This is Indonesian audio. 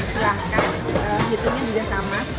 silahkan hitungnya juga sama sepuluh ribu